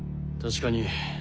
確かに。